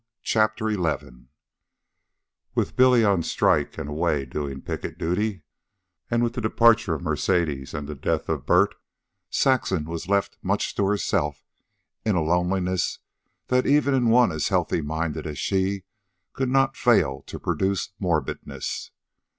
CHAPTER XI With Billy on strike and away doing picket duty, and with the departure of Mercedes and the death of Bert, Saxon was left much to herself in a loneliness that even in one as healthy minded as she could not fail to produce morbidness.